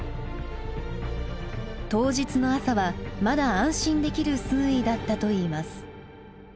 当日の朝はまだ安心できる水位だったといいます。